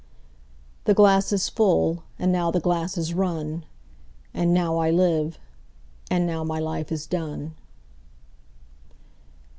17The glass is full, and now the glass is run,18And now I live, and now my life is done.